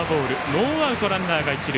ノーアウトランナーが一塁。